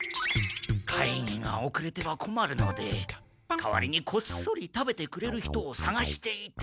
会議がおくれてはこまるので代わりにこっそり食べてくれる人をさがしていて。